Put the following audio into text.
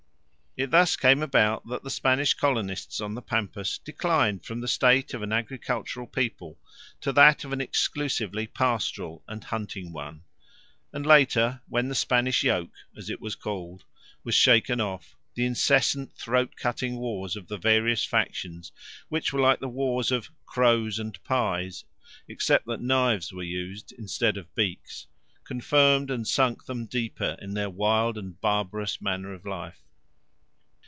It thus came about that the Spanish colonists on the pampas declined from the state of an agricultural people to that of an exclusively pastoral and hunting one; and later, when the Spanish yoke, as it was called, was shaken off, the incessant throat cutting wars of the various factions, which were like the wars of "crows and pies," except that knives were used instead of beaks, confirmed and sunk them deeper in their wild and barbarous manner of life.